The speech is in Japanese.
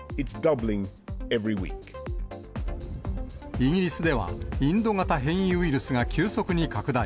イギリスでは、インド型変異ウイルスが急速に拡大。